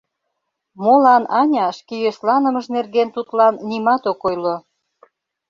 Молан Аня шке йӧсланымыж нерген тудлан нимат ок ойло?